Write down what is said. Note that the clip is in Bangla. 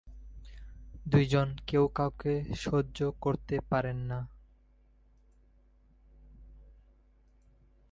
দুইজন কেউ কাউকে সহ্য করতে পারেন না।